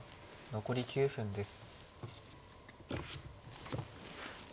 残り９分です。